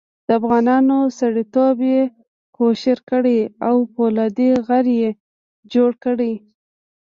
د افغانانو سړیتوب یې کوشیر کړی او فولادي غر یې جوړ کړی.